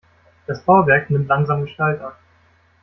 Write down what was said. Das Bauwerk nimmt langsam Gestalt an.